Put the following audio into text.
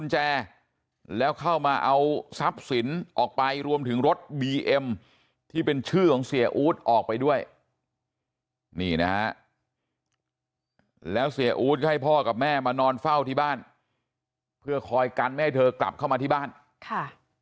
เข้ามาเอาทรัพย์สินออกไปรวมถึงรถบีเอ็มที่เป็นชื่อของเสียอู๊ดออกไปด้วยนี่นะฮะแล้วเสียอู๊ดก็ให้พ่อกับแม่มานอนเฝ้าที่บ้านเพื่อคอยกันไม่ให้เธอกลับเข้ามาที่บ้านค่ะ